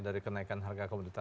dari kenaikan harga komoditas